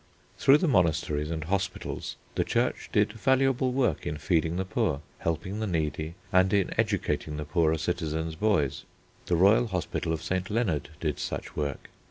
Through the monasteries and hospitals the Church did valuable work in feeding the poor, helping the needy, and in educating the poorer citizens' boys. The royal Hospital of St. Leonard did such work.